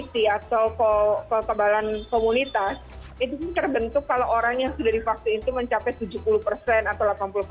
kalau kita berbicara komunitas itu terbentuk kalau orang yang sudah di vaksin itu mencapai tujuh puluh atau delapan puluh